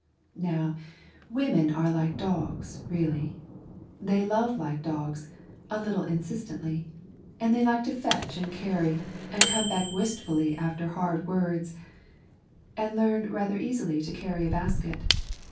Now women are like dogs, really. They love like dogs, a little insistently. And they like to fetch and carry, and come back wistfully after hard words, and learn rather easily to carry a basket.